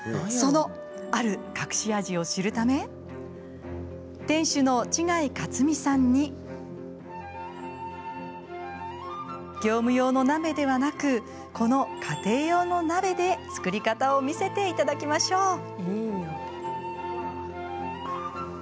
その、ある隠し味を知るため店主の違克美さんに業務用の鍋ではなくこの家庭用の鍋で作り方を見せていただきましょう。